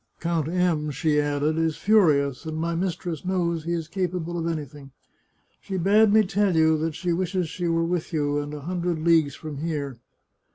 " Count M ," she added, " is furious, and my mistress knows he is capable of anything. ... She bade me tell you that she wishes she were with you, and a hundred leagues from here."